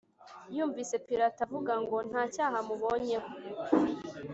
yumvise pilato avuga ngo, “nta cyaha mubonyeho